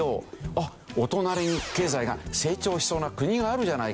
あっお隣に経済が成長しそうな国があるじゃないか。